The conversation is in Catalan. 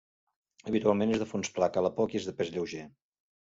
Habitualment és de fons pla, cala poc i és de pes lleuger.